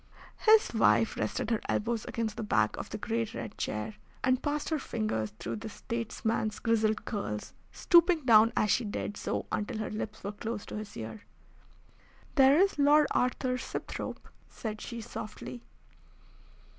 His wife rested her elbows against the back of the great red chair, and passed her fingers through the statesman's grizzled curls, stooping down as she did so until her lips were close to his ear. "There is Lord Arthur Sibthorpe," said she softly.